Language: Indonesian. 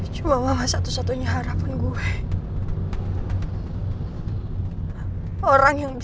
saya perlu bicara dengan anda